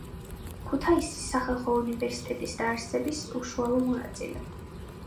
ქუთაისის სახალხო უნივერსიტეტის დაარსების უშუალო მონაწილე.